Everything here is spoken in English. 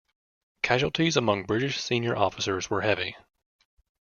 Casualties among British senior officers were heavy.